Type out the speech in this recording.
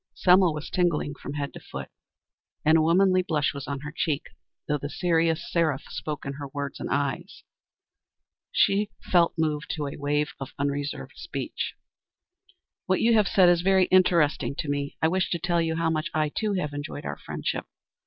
Selma was tingling from head to foot and a womanly blush was on her cheek, though the serious seraph spoke in her words and eyes. She felt moved to a wave of unreserved speech. "What you have said is very interesting to me. I wish to tell you how much I, too, have enjoyed our friendship.